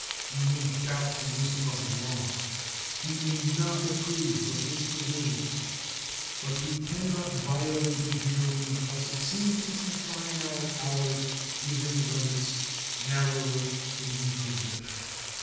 We may doubt the wisdom of the law, we may not approve of its provisions, but we can not violate it merely because it seems to confine our powers within limits narrower than we could wish.